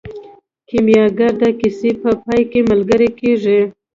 کیمیاګر د کیسې په پای کې ملګری کیږي.